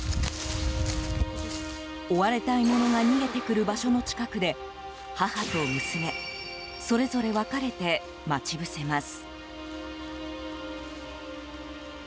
追われた獲物が逃げてくる場所の近くで母と娘、それぞれ分かれて待ち伏せます。